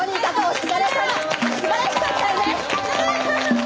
素晴らしかったよね。